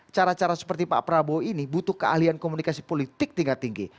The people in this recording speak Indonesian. cara cara seperti pak prabowo ini butuh keahlian komunikasi politik tingkat tinggi